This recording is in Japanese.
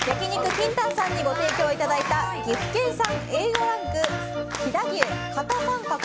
ＫＩＮＴＡＮさんにご提供いただいた岐阜県産Ａ５ランク飛騨牛肩サンカク